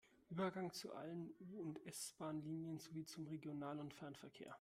Übergang zu allen U- und S-Bahnlinien sowie zum Regional- und Fernverkehr.